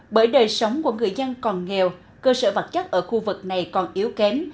bởi đời sống của người dân còn nghèo cơ sở vật chất ở khu vực này còn yếu kém